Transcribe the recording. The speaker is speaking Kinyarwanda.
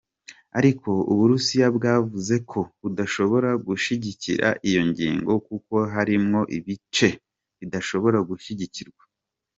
Ariko Uburusiya bwavuze ko budashobora gushigikira iyo ngingo kuko harimwo ibice bidashobora gushigikirwa.